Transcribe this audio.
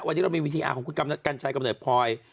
วันนี้เรามีวิธีอาร์ของคุณกัญชัยกำเนิดพลอย